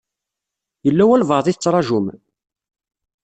Yella walebɛaḍ i tettṛajum?